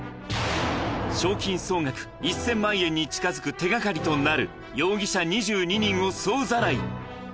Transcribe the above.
賞金総額１０００万円に近づく手がかりとなる容疑者２２人を総ざらい。